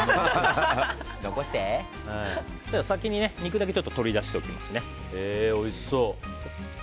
先に肉だけ取り出しておきます。